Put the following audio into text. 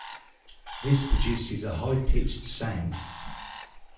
This produces a high pitched sound.